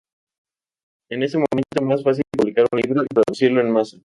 En ese momento era más fácil publicar un libro y producirlo en masa.